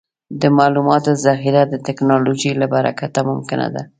د معلوماتو ذخیره د ټکنالوجۍ له برکته ممکنه ده.